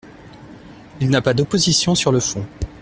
Il n’a pas d’opposition sur le fond.